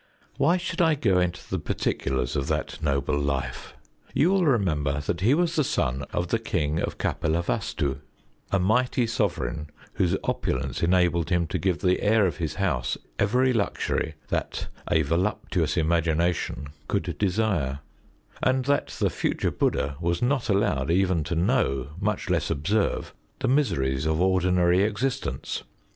Why should I go into the particulars of that noble life? You will remember that he was the son of the king of Kapilavast╠Żu a mighty sovereign whose opulence enabled him to give the heir of his house every luxury that a voluptuous imagination could desire: and that the future Bud╠Żd╠Żha was not allowed even to know, much less observe, the miseries of ordinary existence.